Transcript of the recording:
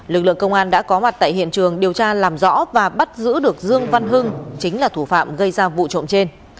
lực lượng công an đã có mặt tại hiện trường điều tra làm rõ và bắt giữ được dương văn hưng chính là thủ phạm gây ra vụ trộm trên